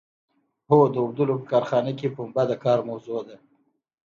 هو د اوبدلو په کارخانه کې پنبه د کار موضوع ده.